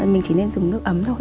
mình chỉ nên dùng nước ấm thôi